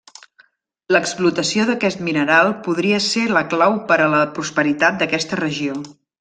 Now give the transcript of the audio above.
L'explotació d'aquest mineral podria ser la clau per a la prosperitat d'aquesta regió.